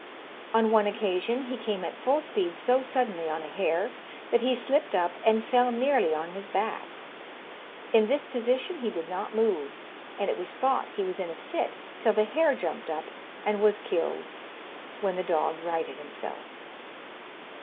On one occasion he came at full speed so suddenly on a hare, that he slipped up, and fell nearly on his back. In this position he did not move, and it was thought he was in a fit, till the hare jumped up and was killed, when the dog righted himself.